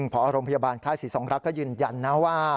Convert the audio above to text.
พรพยาบาลไข้สีสองรักก็ยืนยันนะว่า